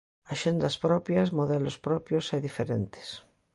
Axendas propias, modelos propios e diferentes.